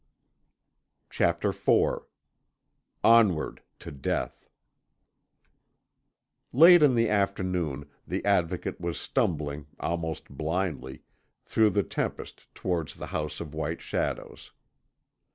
CHAPTER IV ONWARD TO DEATH Late in the afternoon the Advocate was stumbling, almost blindly, through the tempest towards the House of White Shadows.